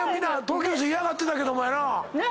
東京の人嫌がってたけどもやな。